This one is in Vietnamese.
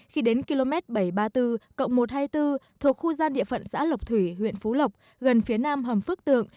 khi đến km bảy trăm ba mươi bốn một trăm hai mươi bốn thuộc khu gian địa phận xã lộc thủy huyện phú lộc gần phía nam hầm phước tượng